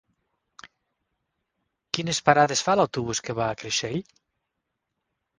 Quines parades fa l'autobús que va a Creixell?